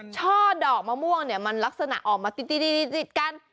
ช่อดอกมะม่วงเนี่ยมันลักษณะออกมาติดกัน